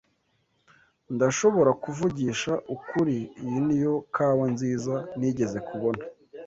Ndashobora kuvugisha ukuri iyi niyo kawa nziza nigeze kubona.